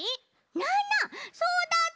ななそうだった！